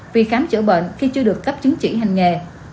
vì khám chữa bệnh khi chưa được cấp chứng chỉ hành nghề